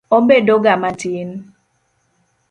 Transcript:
Obedoga matin.